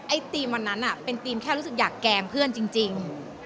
ทีมวันนั้นเป็นธีมแค่รู้สึกอยากแกล้งเพื่อนจริง